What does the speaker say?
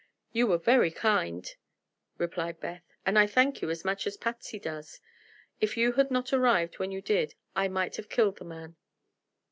"You were very kind," replied Beth, "and I thank you as much as Patsy does. If you had not arrived just when you did I might have killed the man."